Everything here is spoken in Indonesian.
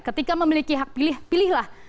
ketika memiliki hak pilih pilihlah